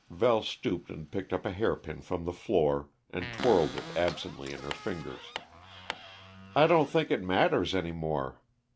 Val stooped and picked up a hairpin from the floor, and twirled it absently in her fingers. "I don't think it matters, any more.